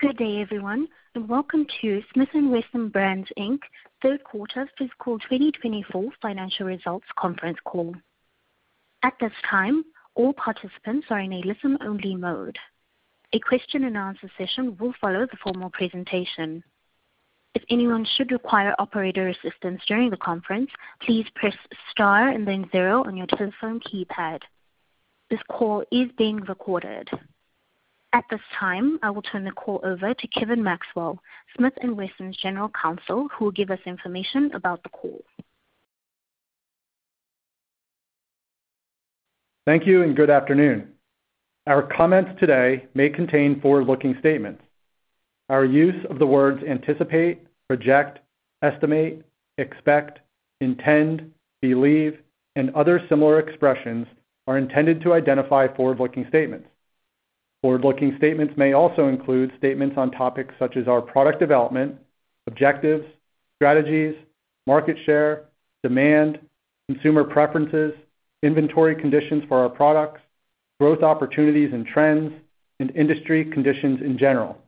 Good day, everyone, and welcome to Smith & Wesson Brands, Inc., third quarter fiscal 2024 financial results conference call. At this time, all participants are in a listen-only mode. A question-and-answer session will follow the formal presentation. If anyone should require operator assistance during the conference, please press star and then 0 on your telephone keypad. This call is being recorded. At this time, I will turn the call over to Kevin Maxwell, Smith & Wesson's general counsel, who will give us information about the call. Thank you and good afternoon. Our comments today may contain forward-looking statements. Our use of the words anticipate, project, estimate, expect, intend, believe, and other similar expressions are intended to identify forward-looking statements. Forward-looking statements may also include statements on topics such as our product development, objectives, strategies, market share, demand, consumer preferences, inventory conditions for our products, growth opportunities and trends, and industry conditions in general.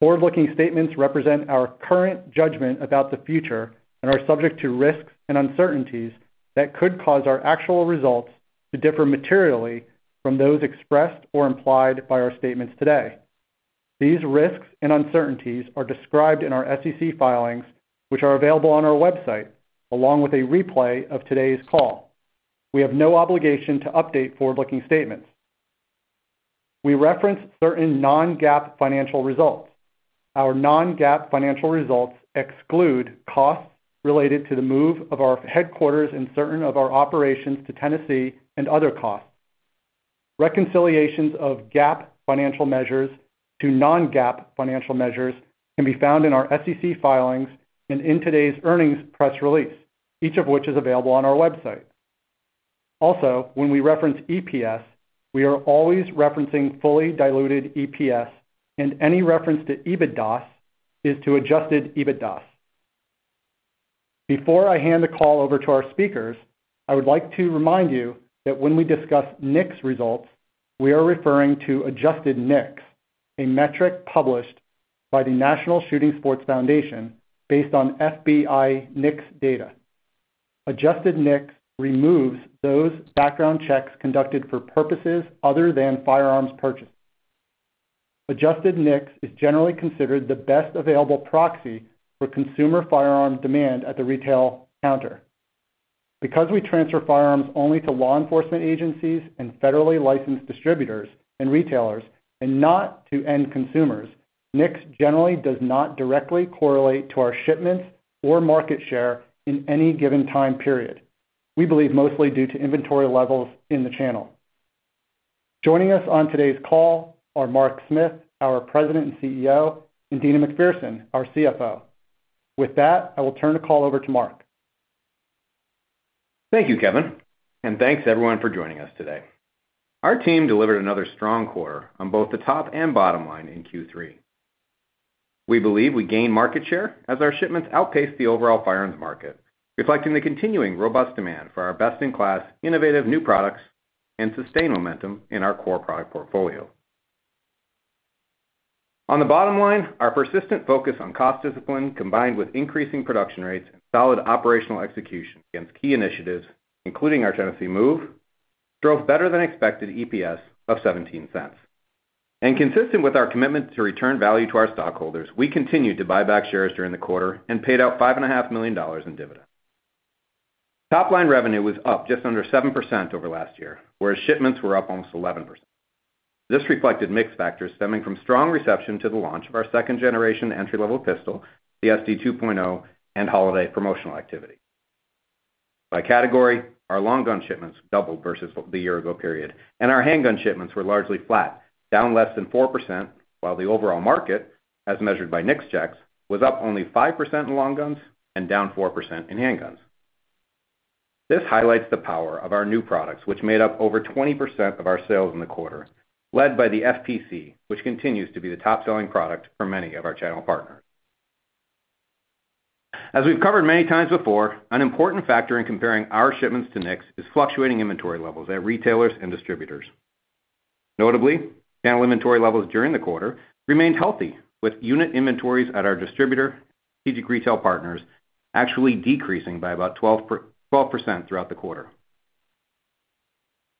Forward-looking statements represent our current judgment about the future and are subject to risks and uncertainties that could cause our actual results to differ materially from those expressed or implied by our statements today. These risks and uncertainties are described in our SEC filings, which are available on our website, along with a replay of today's call. We have no obligation to update forward-looking statements. We reference certain Non-GAAP financial results. Our non-GAAP financial results exclude costs related to the move of our headquarters and certain of our operations to Tennessee and other costs. Reconciliations of GAAP financial measures to non-GAAP financial measures can be found in our SEC filings and in today's earnings press release, each of which is available on our website. Also, when we reference EPS, we are always referencing fully diluted EPS, and any reference to EBITDAs is to adjusted EBITDA. Before I hand the call over to our speakers, I would like to remind you that when we discuss NICS results, we are referring to adjusted NICS, a metric published by the National Shooting Sports Foundation based on FBI NICS data. Adjusted NICS removes those background checks conducted for purposes other than firearms purchase. Adjusted NICS is generally considered the best available proxy for consumer firearm demand at the retail counter. Because we transfer firearms only to law enforcement agencies and federally licensed distributors and retailers, and not to end consumers, NICS generally does not directly correlate to our shipments or market share in any given time period. We believe mostly due to inventory levels in the channel. Joining us on today's call are Mark Smith, our President and CEO, and Deana McPherson, our CFO. With that, I will turn the call over to Mark. Thank you, Kevin, and thanks everyone for joining us today. Our team delivered another strong quarter on both the top and bottom line in Q3. We believe we gained market share as our shipments outpaced the overall firearms market, reflecting the continuing robust demand for our best-in-class, innovative new products and sustained momentum in our core product portfolio. On the bottom line, our persistent focus on cost discipline combined with increasing production rates and solid operational execution against key initiatives, including our Tennessee move, drove better-than-expected EPS of $0.17. Consistent with our commitment to return value to our stockholders, we continued to buy back shares during the quarter and paid out $5.5 million in dividends. Top-line revenue was up just under 7% over last year, whereas shipments were up almost 11%. This reflected mixed factors stemming from strong reception to the launch of our second-generation entry-level pistol, the SD 2.0, and holiday promotional activity. By category, our long-gun shipments doubled versus the year-ago period, and our handgun shipments were largely flat, down less than 4%, while the overall market, as measured by NICS checks, was up only 5% in long guns and down 4% in handguns. This highlights the power of our new products, which made up over 20% of our sales in the quarter, led by the FPC, which continues to be the top-selling product for many of our channel partners. As we've covered many times before, an important factor in comparing our shipments to NICS is fluctuating inventory levels at retailers and distributors. Notably, channel inventory levels during the quarter remained healthy, with unit inventories at our distributor and strategic retail partners actually decreasing by about 12% throughout the quarter.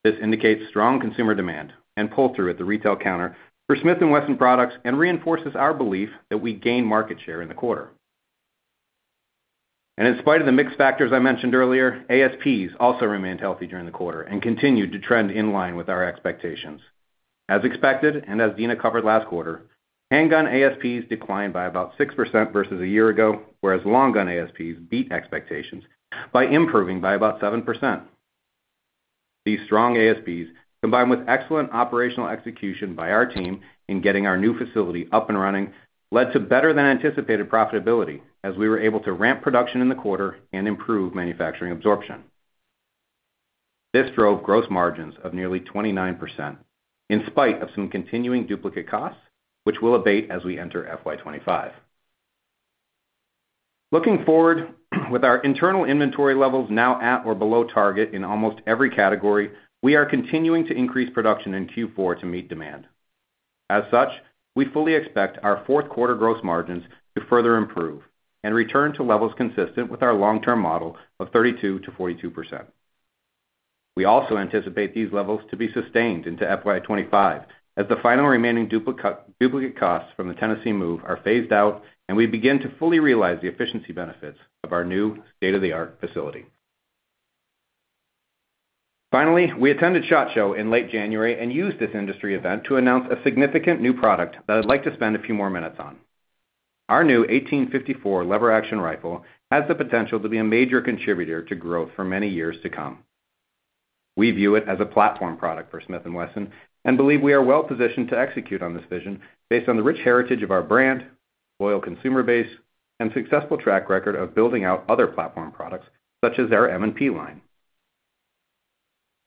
This indicates strong consumer demand and pull-through at the retail counter for Smith & Wesson products and reinforces our belief that we gained market share in the quarter. In spite of the mixed factors I mentioned earlier, ASPs also remained healthy during the quarter and continued to trend in line with our expectations. As expected and as Deana covered last quarter, handgun ASPs declined by about 6% versus a year ago, whereas long-gun ASPs beat expectations by improving by about 7%. These strong ASPs, combined with excellent operational execution by our team in getting our new facility up and running, led to better-than-anticipated profitability as we were able to ramp production in the quarter and improve manufacturing absorption. This drove gross margins of nearly 29% in spite of some continuing duplicate costs, which will abate as we enter FY25. Looking forward, with our internal inventory levels now at or below target in almost every category, we are continuing to increase production in Q4 to meet demand. As such, we fully expect our fourth-quarter gross margins to further improve and return to levels consistent with our long-term model of 32%-42%. We also anticipate these levels to be sustained into FY25 as the final remaining duplicate costs from the Tennessee move are phased out and we begin to fully realize the efficiency benefits of our new state-of-the-art facility. Finally, we attended SHOT Show in late January and used this industry event to announce a significant new product that I'd like to spend a few more minutes on. Our new 1854 lever-action rifle has the potential to be a major contributor to growth for many years to come. We view it as a platform product for Smith & Wesson and believe we are well-positioned to execute on this vision based on the rich heritage of our brand, loyal consumer base, and successful track record of building out other platform products such as our M&P line.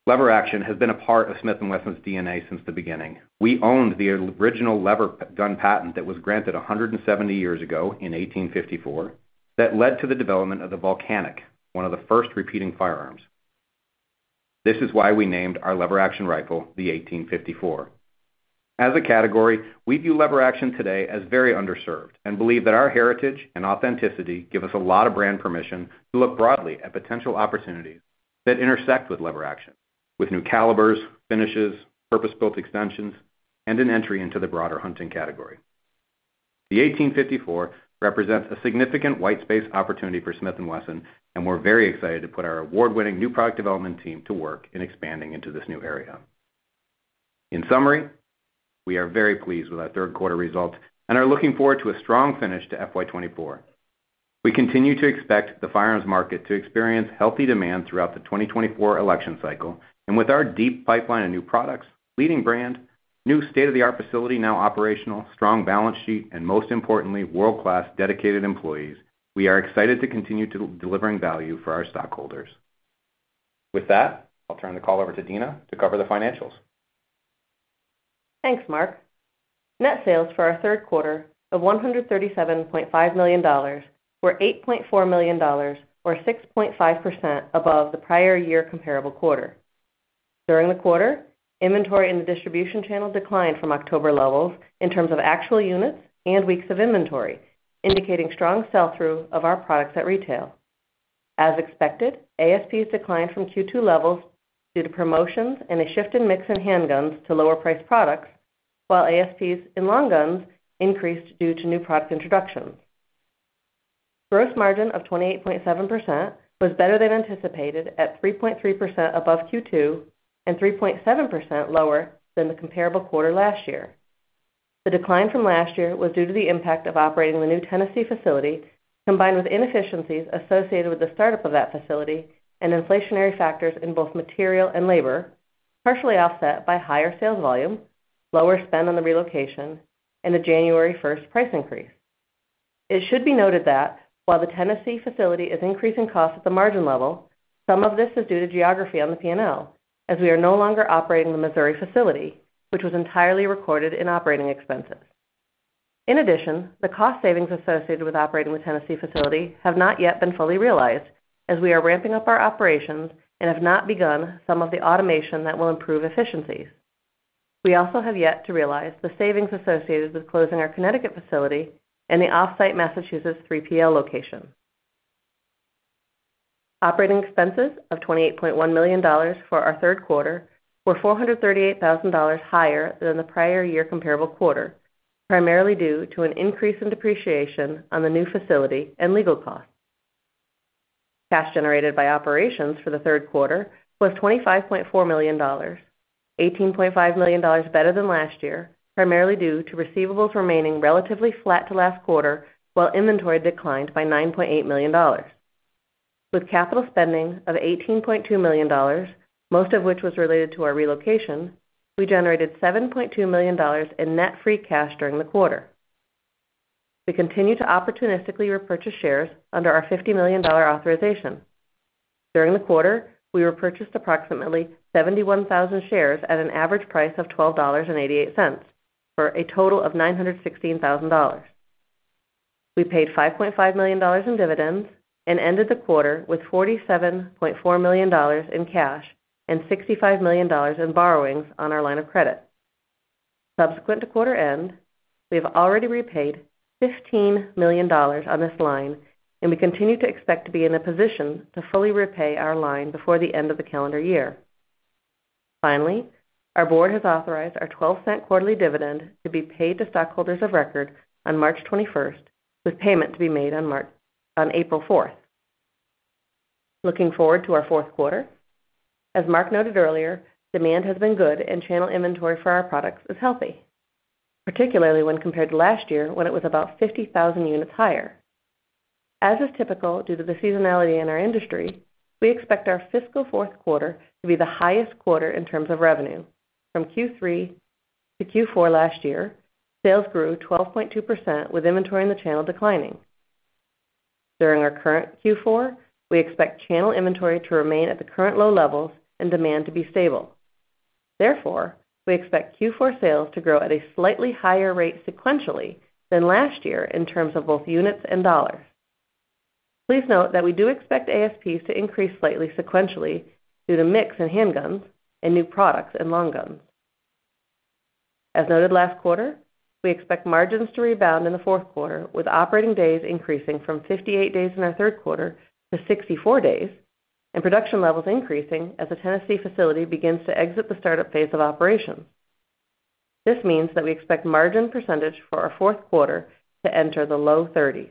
Lever-action has been a part of Smith & Wesson's DNA since the beginning. We owned the original lever gun patent that was granted 170 years ago in 1854 that led to the development of the Volcanic, one of the first repeating firearms. This is why we named our lever-action rifle the 1854. As a category, we view lever-action today as very underserved and believe that our heritage and authenticity give us a lot of brand permission to look broadly at potential opportunities that intersect with lever-action, with new calibers, finishes, purpose-built extensions, and an entry into the broader hunting category. The 1854 represents a significant white space opportunity for Smith & Wesson, and we're very excited to put our award-winning new product development team to work in expanding into this new area. In summary, we are very pleased with our third-quarter results and are looking forward to a strong finish to FY2024. We continue to expect the firearms market to experience healthy demand throughout the 2024 election cycle, and with our deep pipeline of new products, leading brand, new state-of-the-art facility now operational, strong balance sheet, and most importantly, world-class dedicated employees, we are excited to continue delivering value for our stockholders. With that, I'll turn the call over to Deana to cover the financials. Thanks, Mark. Net sales for our third quarter of $137.5 million were $8.4 million, or 6.5% above the prior year comparable quarter. During the quarter, inventory in the distribution channel declined from October levels in terms of actual units and weeks of inventory, indicating strong sell-through of our products at retail. As expected, ASPs declined from Q2 levels due to promotions and a shift in mix and handguns to lower-priced products, while ASPs in long guns increased due to new product introductions. Gross margin of 28.7% was better than anticipated at 3.3% above Q2 and 3.7% lower than the comparable quarter last year. The decline from last year was due to the impact of operating the new Tennessee facility combined with inefficiencies associated with the startup of that facility and inflationary factors in both material and labor, partially offset by higher sales volume, lower spend on the relocation, and a January 1st price increase. It should be noted that while the Tennessee facility is increasing costs at the margin level, some of this is due to geography on the P&L, as we are no longer operating the Missouri facility, which was entirely recorded in operating expenses. In addition, the cost savings associated with operating the Tennessee facility have not yet been fully realized as we are ramping up our operations and have not begun some of the automation that will improve efficiencies. We also have yet to realize the savings associated with closing our Connecticut facility and the off-site Massachusetts 3PL location. Operating expenses of $28.1 million for our third quarter were $438,000 higher than the prior year comparable quarter, primarily due to an increase in depreciation on the new facility and legal costs. Cash generated by operations for the third quarter was $25.4 million, $18.5 million better than last year, primarily due to receivables remaining relatively flat to last quarter while inventory declined by $9.8 million. With capital spending of $18.2 million, most of which was related to our relocation, we generated $7.2 million in net free cash during the quarter. We continue to opportunistically repurchase shares under our $50 million authorization. During the quarter, we repurchased approximately 71,000 shares at an average price of $12.88 for a total of $916,000. We paid $5.5 million in dividends and ended the quarter with $47.4 million in cash and $65 million in borrowings on our line of credit. Subsequent to quarter end, we have already repaid $15 million on this line, and we continue to expect to be in a position to fully repay our line before the end of the calendar year. Finally, our board has authorized our $0.12 quarterly dividend to be paid to stockholders of record on March 21st, with payment to be made on April 4th. Looking forward to our fourth quarter, as Mark noted earlier, demand has been good and channel inventory for our products is healthy, particularly when compared to last year when it was about 50,000 units higher. As is typical due to the seasonality in our industry, we expect our fiscal fourth quarter to be the highest quarter in terms of revenue. From Q3 to Q4 last year, sales grew 12.2% with inventory in the channel declining. During our current Q4, we expect channel inventory to remain at the current low levels and demand to be stable. Therefore, we expect Q4 sales to grow at a slightly higher rate sequentially than last year in terms of both units and dollars. Please note that we do expect ASPs to increase slightly sequentially due to mix and handguns and new products and long guns. As noted last quarter, we expect margins to rebound in the fourth quarter with operating days increasing from 58 days in our third quarter to 64 days and production levels increasing as the Tennessee facility begins to exit the startup phase of operations. This means that we expect margin percentage for our fourth quarter to enter the low 30s.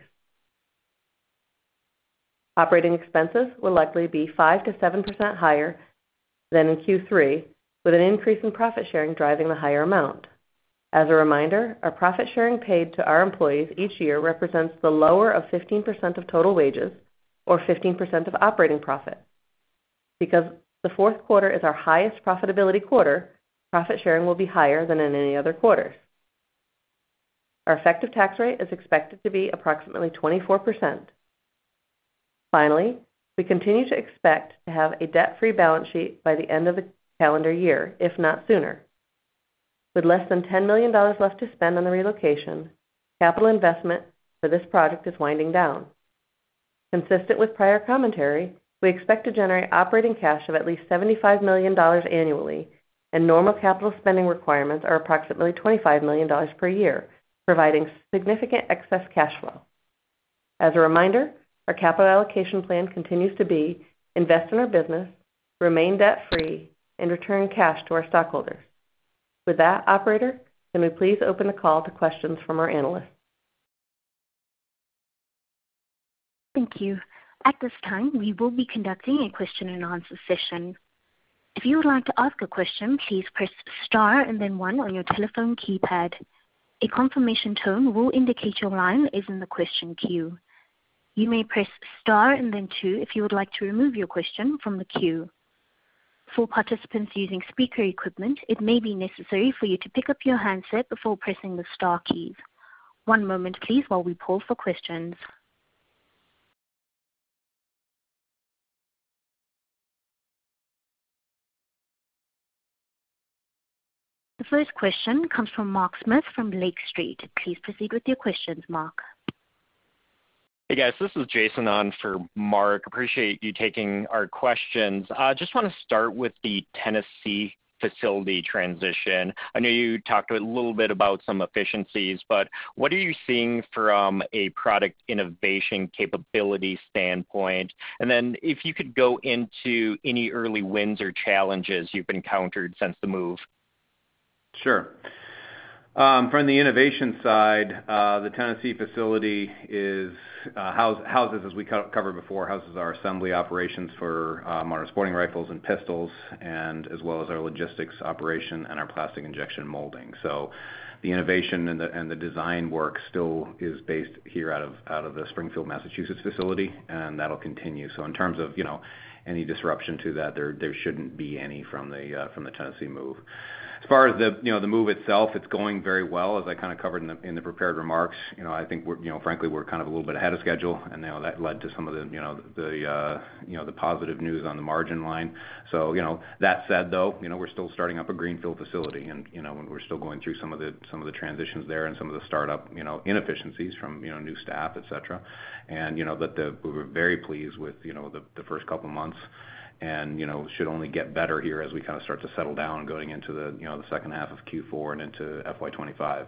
Operating expenses will likely be 5%-7% higher than in Q3, with an increase in profit sharing driving the higher amount. As a reminder, our profit sharing paid to our employees each year represents the lower of 15% of total wages or 15% of operating profit. Because the fourth quarter is our highest profitability quarter, profit sharing will be higher than in any other quarters. Our effective tax rate is expected to be approximately 24%. Finally, we continue to expect to have a debt-free balance sheet by the end of the calendar year, if not sooner. With less than $10 million left to spend on the relocation, capital investment for this project is winding down. Consistent with prior commentary, we expect to generate operating cash of at least $75 million annually, and normal capital spending requirements are approximately $25 million per year, providing significant excess cash flow. As a reminder, our capital allocation plan continues to be invest in our business, remain debt-free, and return cash to our stockholders. With that, operator, can we please open the call to questions from our analysts? Thank you. At this time, we will be conducting a question-and-answer session. If you would like to ask a question, please press star and then one on your telephone keypad. A confirmation tone will indicate your line is in the question queue. You may press star and then two if you would like to remove your question from the queue. For participants using speaker equipment, it may be necessary for you to pick up your handset before pressing the star keys. One moment, please, while we pull for questions. The first question comes from Mark Smith from Lake Street. Please proceed with your questions, Mark. Hey, guys. This is Jason on for Mark. Appreciate you taking our questions. I just want to start with the Tennessee facility transition. I know you talked a little bit about some efficiencies, but what are you seeing from a product innovation capability standpoint? And then if you could go into any early wins or challenges you've encountered since the move. Sure. From the innovation side, the Tennessee facility houses, as we covered before, our assembly operations for modern sporting rifles and pistols, as well as our logistics operation and our plastic injection molding. So the innovation and the design work still is based here out of the Springfield, Massachusetts facility, and that'll continue. So in terms of any disruption to that, there shouldn't be any from the Tennessee move. As far as the move itself, it's going very well, as I kind of covered in the prepared remarks. I think, frankly, we're kind of a little bit ahead of schedule, and that led to some of the positive news on the margin line. So that said, though, we're still starting up a greenfield facility, and we're still going through some of the transitions there and some of the startup inefficiencies from new staff, etc. But we're very pleased with the first couple of months and should only get better here as we kind of start to settle down going into the second half of Q4 and into FY25.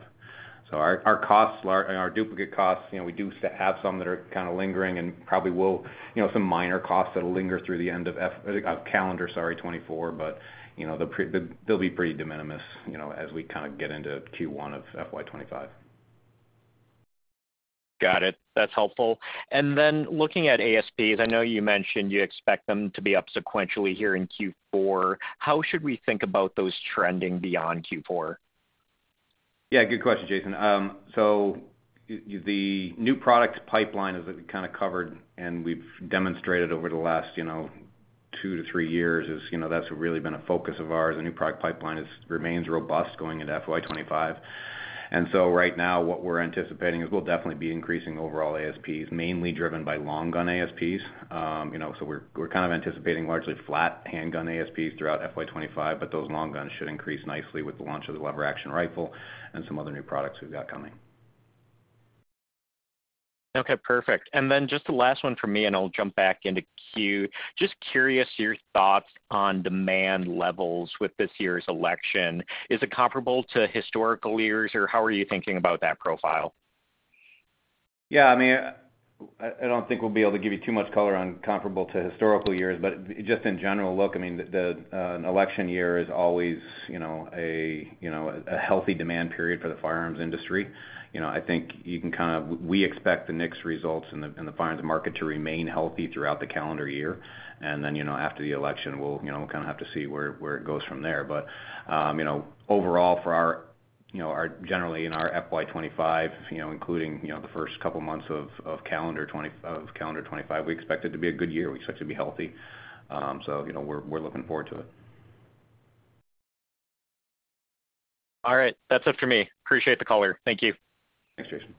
So our duplicate costs, we do have some that are kind of lingering and probably will some minor costs that'll linger through the end of calendar, sorry, 2024, but they'll be pretty de minimis as we kind of get into Q1 of FY25. Got it. That's helpful. And then looking at ASPs, I know you mentioned you expect them to be up sequentially here in Q4. How should we think about those trending beyond Q4? Yeah, good question, Jason. So the new product pipeline, as we kind of covered and we've demonstrated over the last 2-3 years, that's really been a focus of ours. The new product pipeline remains robust going into FY25. And so right now, what we're anticipating is we'll definitely be increasing overall ASPs, mainly driven by long gun ASPs. So we're kind of anticipating largely flat handgun ASPs throughout FY25, but those long guns should increase nicely with the launch of the lever-action rifle and some other new products we've got coming. Okay, perfect. And then just the last one from me, and I'll jump back into Q. Just curious your thoughts on demand levels with this year's election. Is it comparable to historical years, or how are you thinking about that profile? Yeah, I mean, I don't think we'll be able to give you too much color on comparable to historical years, but just in general look, I mean, an election year is always a healthy demand period for the firearms industry. I think you can kind of we expect the NICS results and the firearms market to remain healthy throughout the calendar year. And then after the election, we'll kind of have to see where it goes from there. But overall, generally in our FY 2025, including the first couple of months of calendar 2025, we expect it to be a good year. We expect it to be healthy. So we're looking forward to it. All right. That's it for me. Appreciate the caller. Thank you. Thanks, Jason.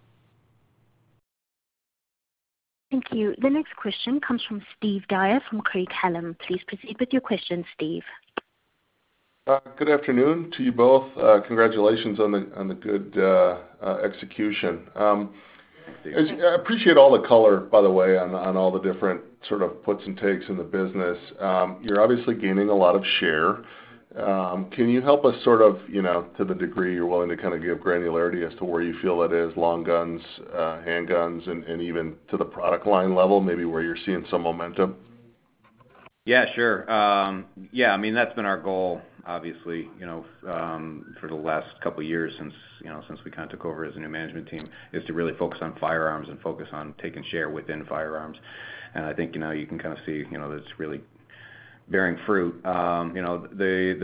Thank you. The next question comes from Steve Dyer from Craig-Hallum. Please proceed with your question, Steve. Good afternoon to you both. Congratulations on the good execution. I appreciate all the color, by the way, on all the different sort of puts and takes in the business. You're obviously gaining a lot of share. Can you help us sort of to the degree you're willing to kind of give granularity as to where you feel it is, long guns, handguns, and even to the product line level, maybe where you're seeing some momentum? Yeah, sure. Yeah, I mean, that's been our goal, obviously, for the last couple of years since we kind of took over as a new management team, is to really focus on firearms and focus on taking share within firearms. And I think you can kind of see that it's really bearing fruit. The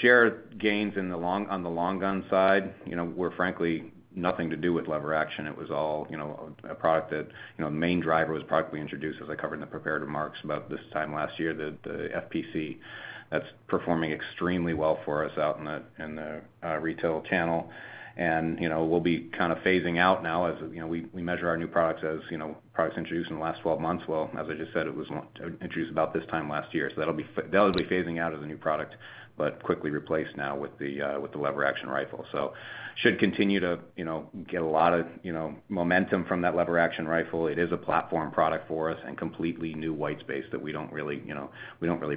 share gains on the long gun side were frankly nothing to do with lever action. It was all a product that the main driver was product we introduced, as I covered in the prepared remarks about this time last year, the FPC that's performing extremely well for us out in the retail channel. And we'll be kind of phasing out now as we measure our new products as products introduced in the last 12 months. Well, as I just said, it was introduced about this time last year. So that'll be phasing out as a new product, but quickly replaced now with the lever action rifle. So should continue to get a lot of momentum from that lever action rifle. It is a platform product for us and completely new white space that we don't really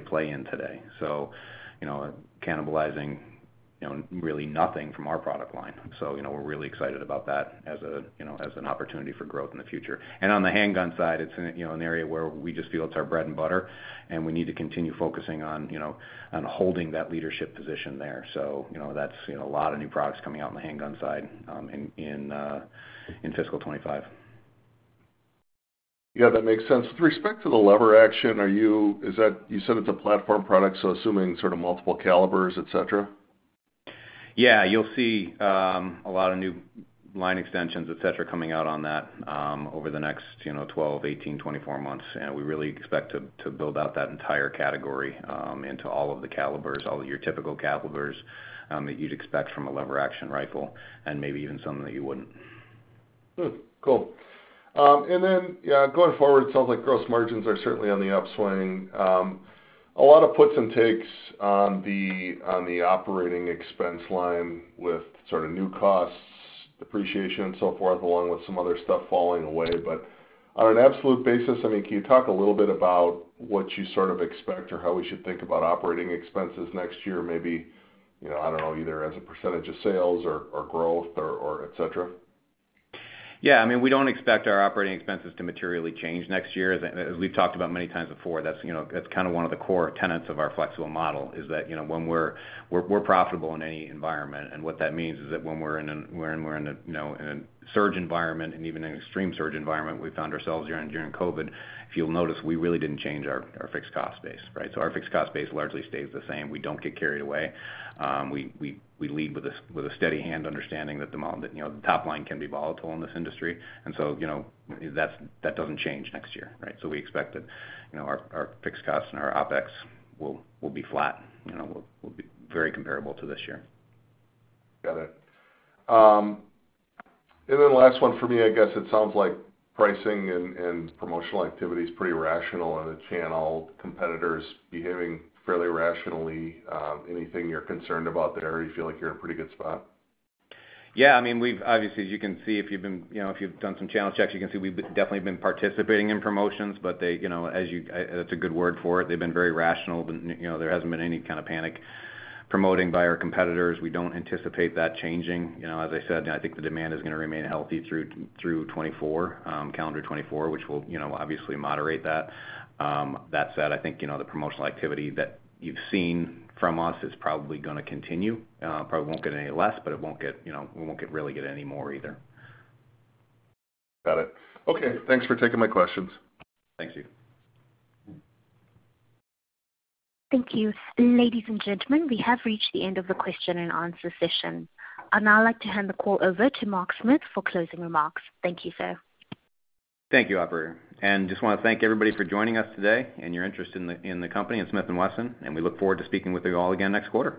play in today. So cannibalizing really nothing from our product line. So we're really excited about that as an opportunity for growth in the future. And on the handgun side, it's an area where we just feel it's our bread and butter, and we need to continue focusing on holding that leadership position there. So that's a lot of new products coming out in the handgun side in fiscal 2025. Yeah, that makes sense. With respect to the lever action, you said it's a platform product, so assuming sort of multiple calibers, etc.? Yeah, you'll see a lot of new line extensions, etc., coming out on that over the next 12, 18, 24 months. We really expect to build out that entire category into all of the calibers, all of your typical calibers that you'd expect from a lever action rifle, and maybe even some that you wouldn't. Cool. And then going forward, it sounds like gross margins are certainly on the upswing. A lot of puts and takes on the operating expense line with sort of new costs, depreciation, and so forth, along with some other stuff falling away. But on an absolute basis, I mean, can you talk a little bit about what you sort of expect or how we should think about operating expenses next year, maybe, I don't know, either as a percentage of sales or growth, or etc.? Yeah, I mean, we don't expect our operating expenses to materially change next year. As we've talked about many times before, that's kind of one of the core tenets of our flexible model, is that when we're profitable in any environment, and what that means is that when we're in a surge environment and even an extreme surge environment, we found ourselves here during COVID, if you'll notice, we really didn't change our fixed cost base, right? So our fixed cost base largely stays the same. We don't get carried away. We lead with a steady hand understanding that the top line can be volatile in this industry. And so that doesn't change next year, right? So we expect that our fixed costs and our OpEx will be flat. We'll be very comparable to this year. Got it. And then last one for me, I guess it sounds like pricing and promotional activity is pretty rational in the channel, competitors behaving fairly rationally. Anything you're concerned about there? You feel like you're in a pretty good spot? Yeah, I mean, obviously, as you can see, if you've done some channel checks, you can see we've definitely been participating in promotions, but as you that's a good word for it. They've been very rational. There hasn't been any kind of panic promoting by our competitors. We don't anticipate that changing. As I said, I think the demand is going to remain healthy through calendar 2024, which will obviously moderate that. That said, I think the promotional activity that you've seen from us is probably going to continue. Probably won't get any less, but we won't really get any more either. Got it. Okay. Thanks for taking my questions. Thank you. Thank you. Ladies and gentlemen, we have reached the end of the question-and-answer session. I'd like to hand the call over to Mark Smith for closing remarks. Thank you, sir. Thank you, operator. And just want to thank everybody for joining us today and your interest in the company and Smith & Wesson. And we look forward to speaking with you all again next quarter.